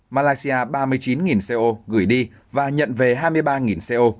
malaysia ba mươi chín co gửi đi và nhận về hai mươi ba co